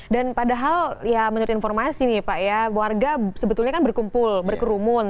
dan padahal ya menurut informasi nih pak ya warga sebetulnya kan berkumpul berkerumun